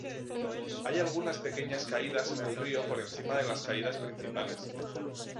Hay algunas pequeñas caídas en el río por encima de las caídas principales.